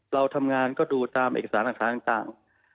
เราทำงานก็ดูตามเอกสารต่าง